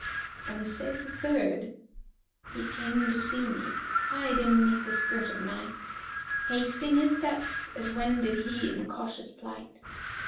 '[FN#366] And saith a third, 'He came to see me, hiding neath the skirt of night, * Hasting his steps as wended he in cautious plight.